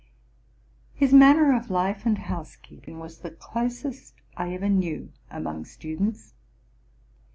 His manner of life and housekeeping was the closest I ever knew among students.